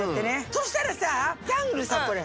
そしたらさジャングルさこれ。